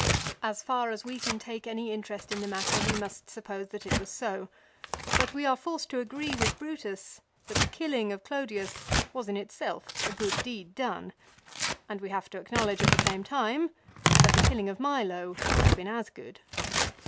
As far as we can take any interest in the matter we must suppose that it was so ; but we are forced to agree with Brutus that the killing of Clodius MILO. 75 was in itself a good deed done, and we have to acknowledge at the same time that the killing of Milo would have been as good.